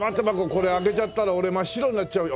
これ開けちゃったら俺真っ白になっちゃうよ。